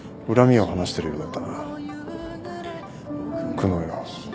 久能よ